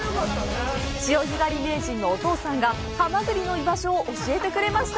潮干狩り名人のお父さんがハマグリの居場所を教えてくれました！